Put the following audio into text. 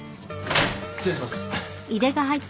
失礼します。